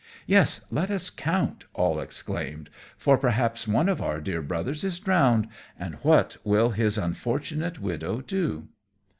"Yes, let us count!" all exclaimed; "for perhaps one of our dear brothers is drowned, and what will his unfortunate widow do?"